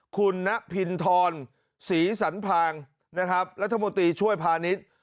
คุณนพินทรศรีสันพางนะครับรัฐมนตรีช่วยพาณิชย์